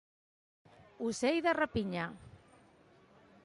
Ocell de rapinya.